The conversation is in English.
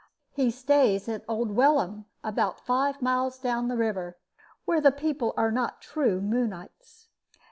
He stays at old Wellham, about five miles down the river, where the people are not true Moonites.